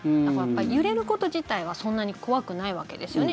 揺れること自体はそんなに怖くないんですよね。